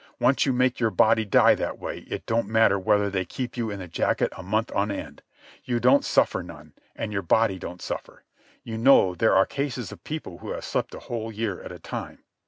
Once you make your body die that way it don't matter whether they keep you in the jacket a month on end. You don't suffer none, and your body don't suffer. You know there are cases of people who have slept a whole year at a time.